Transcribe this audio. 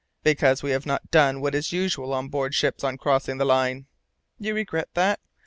"Because we have not done what is usual on board ships on crossing the Line!" "You regret that?"